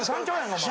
お前。